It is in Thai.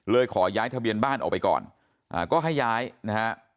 ขอย้ายทะเบียนบ้านออกไปก่อนก็ให้ย้ายนะฮะ